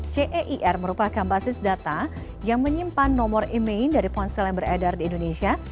ceir merupakan basis data yang menyimpan nomor emain dari ponsel yang beredar di indonesia